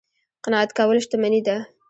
قناعت کول شتمني ده